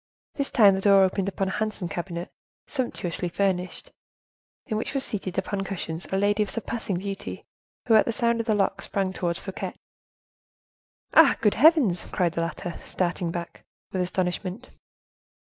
This time the door opened upon a handsome cabinet, sumptuously furnished, in which was seated upon cushions a lady of surpassing beauty, who at the sound of the lock sprang towards Fouquet. "Ah! good heavens!" cried the latter, starting back with astonishment.